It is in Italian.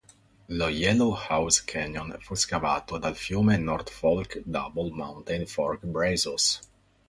Lo Yellow House Canyon fu scavato dal fiume North Fork Double Mountain Fork Brazos.